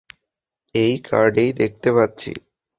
এই কার্ডেই দেখতে পাচ্ছি।